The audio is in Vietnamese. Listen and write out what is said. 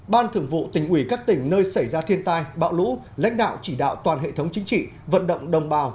ban thường vụ tỉnh ủy các tỉnh nơi xảy ra thiên tai bão lũ lãnh đạo chỉ đạo toàn hệ thống chính trị vận động đồng bào